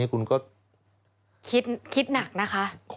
คุณก็คิดหนักนะคะ